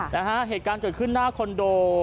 นะฮะเหตุการณ์เกิดขึ้นหน้าคอนโด